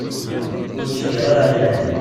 Ur ttcekkir ara iman-im.